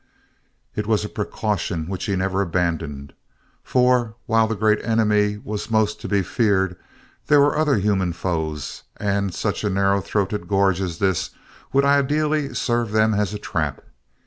It was a precaution which he never abandoned, for while the Great Enemy was most to be feared, there were other human foes and such a narrow throated gorge as this would ideally serve them as a trap.